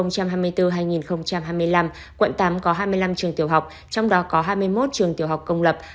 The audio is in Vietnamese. năm học hai nghìn hai mươi bốn hai nghìn hai mươi năm quận tám có hai mươi năm trường tiểu học trong đó có hai mươi một trường tiểu học công lập